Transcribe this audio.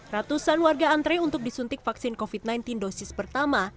ratusan warga antre untuk disuntik vaksin covid sembilan belas dosis pertama